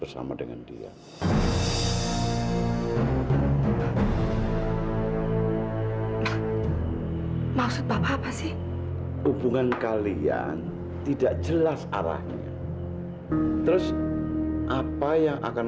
sampai jumpa di video selanjutnya